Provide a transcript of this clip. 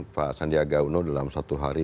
pak sandiaga uno dalam satu hari